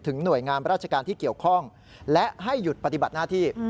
หน่วยงามราชการที่เกี่ยวข้องและให้หยุดปฏิบัติหน้าที่